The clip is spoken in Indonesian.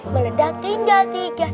meledak tinggal tiga